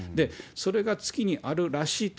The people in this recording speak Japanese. それが月にあるらしいと。